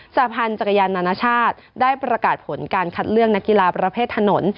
สาพันธ์จักรยานนานาชาติได้ประกาศผลการคัดเลือกนักกีฬาประเภทถนน